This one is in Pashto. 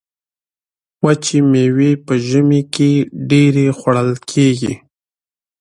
وچې میوې په ژمي کې ډیرې خوړل کیږي.